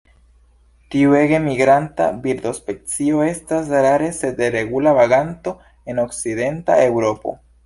Tiu ege migranta birdospecio estas rare sed regula vaganto en okcidenta Eŭropo.